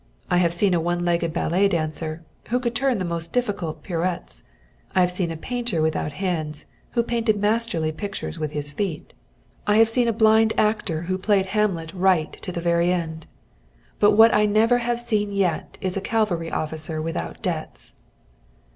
I have seen a one legged ballet dancer who could turn the most difficult pirouettes; I have seen a painter without hands who painted masterly pictures with his feet; I have seen a blind actor who played Hamlet right to the very end. But what I never have seen yet is a cavalry officer without debts."